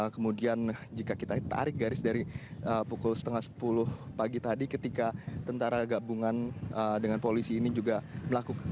kemudian jika kita tarik garis dari pukul setengah sepuluh pagi tadi ketika tentara gabungan dengan polisi ini juga melakukan